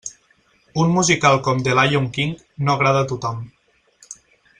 Un musical com The Lyon King no agrada a tothom.